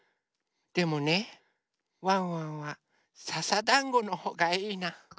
でもねワンワンはささだんごのほうがいいな。